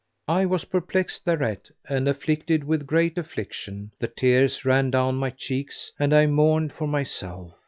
I was perplexed thereat and afflicted with great affliction; the tears ran down my cheeks and I mourned for myself.